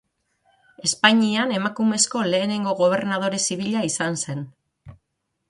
Espainian emakumezko lehenengo gobernadore zibila izan zen.